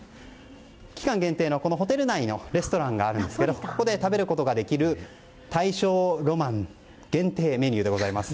期間限定のホテル内のレストランがあるんですけれどここで食べることができる大正ロマン限定メニューでございます。